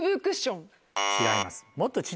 違います。